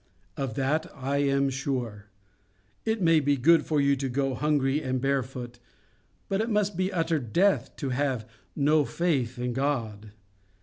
Of that I am sure. It may be good for you to go hungry and bare foot; but it must be utter death to have no faith in God.